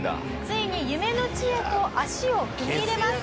ついに夢の地へと足を踏み入れます。